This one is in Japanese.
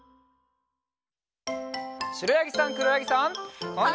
しろやぎさんくろやぎさん。